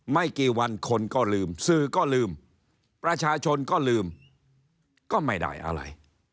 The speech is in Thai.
ไม่กี่วันคนก็ลืมสื่อก็ลืมประชาชนก็ลืมก็ไม่ได้อะไร